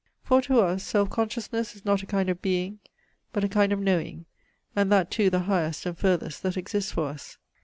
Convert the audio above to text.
For to us, self consciousness is not a kind of being, but a kind of knowing, and that too the highest and farthest that exists for us.